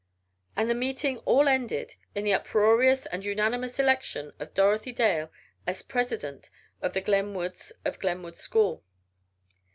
And the meeting all ended in the uproarious and unanimous election of Dorothy Dale, as president of the Glenwoods of Glenwood School!